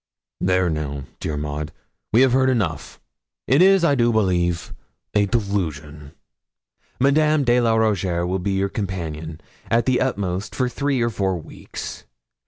'There now, dear Maud, we have heard enough; it is, I do believe, a delusion. Madame de la Rougierre will be your companion, at the utmost, for three or four weeks.